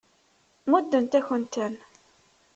Muddent-akent-ten.